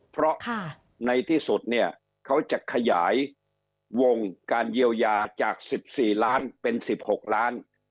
เพราะในที่สุดเนี่ยเขาจะขยายวงการเยียวยาจาก๑๔ล้านเป็น๑๖ล้าน